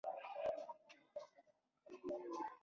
هولمز وویل چې دا مروارید ورک شوی و.